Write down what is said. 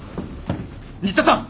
新田さん